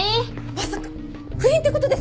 まさか不倫って事ですか！？